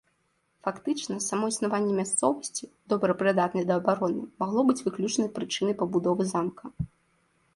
Фактычна, само існаванне мясцовасці, добра прыдатнай да абароны, магло быць выключнай прычынай пабудовы замка.